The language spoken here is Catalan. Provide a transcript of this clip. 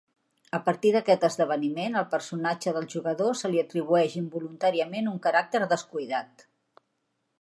A partir d'aquest esdeveniment, al personatge del jugador se li atribueix involuntàriament un caràcter "descuidat".